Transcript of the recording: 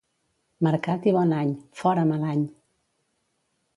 Mercat i bon any, fora mal any!